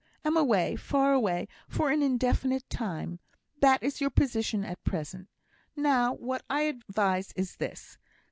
am away, far away, for an indefinite time; that is your position at present. Now, what I advise is this.